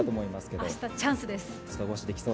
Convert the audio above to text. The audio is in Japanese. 明日チャンスです。